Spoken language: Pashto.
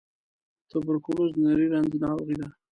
توبرکلوز د نري رنځ ناروغۍ ده.